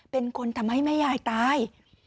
เป็นคนทำให้แม่ยายตาย